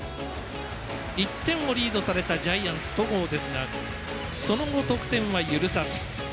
１点をリードされたジャイアンツ戸郷ですがその後得点は許さず。